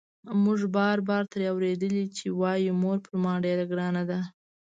موږ بار بار ترې اورېدلي چې وايي مور پر ما ډېره ګرانه ده.